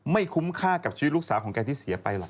คุ้มค่ากับชีวิตลูกสาวของแกที่เสียไปหรอก